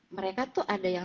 mereka tuh ada yang